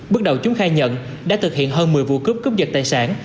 bước đầu chúng khai nhận đã thực hiện hơn một mươi vụ cướp cướp giật tài sản